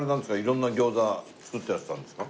色んな餃子作ってらしたんですか？